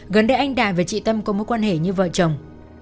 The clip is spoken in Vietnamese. gần đây anh đại và chị tâm có mối quan hệ như vợ chồng